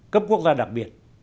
cấp quốc gia đặc biệt